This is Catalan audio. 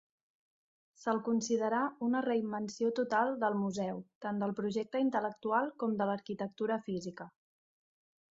Se'l considerà una reinvenció total del museu, tant del projecte intel·lectual com de l'arquitectura física.